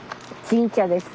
新茶です。